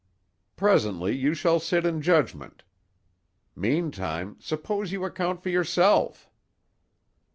"Presently you shall sit in judgment. Meantime, suppose you account for yourself."